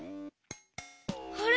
あれ？